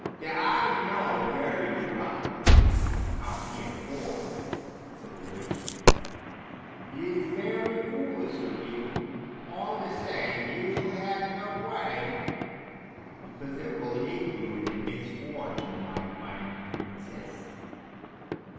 " I know very well what you have come here for," said the witch. " It is very foolish of you! all the same you shall have your way, because it will lead you into misfortune, my fine princess.